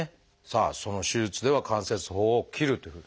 さあその手術では関節包を切るという。